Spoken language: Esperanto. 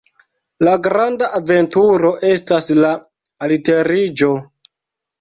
La granda aventuro estas la alteriĝo.